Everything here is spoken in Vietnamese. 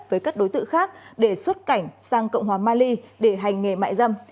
với các đối tượng khác để xuất cảnh sang cộng hòa mali để hành nghề mại dâm